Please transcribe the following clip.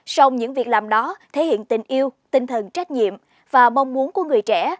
sông những việc làm đó thể hiện tình yêu tinh thần trách nhiệm và mong muốn của người trẻ